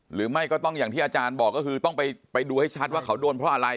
หรือไม่ก็ต้องอย่างที่อาจารย์บอกก็คือต้องไปดูให้ชัดว่าเขาโดนเพราะอะไร